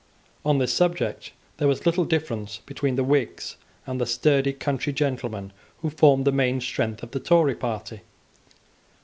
On this subject there was little difference between the Whigs and the sturdy country gentlemen who formed the main strength of the Tory party.